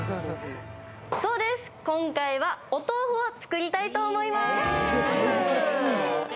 そうです、今回はお豆腐を作りたいと思います。